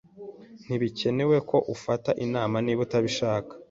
Ntibikenewe ko ufata inama niba utabishaka.